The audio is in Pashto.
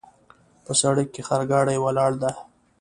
په سړک کې خرګاډۍ ولاړ ده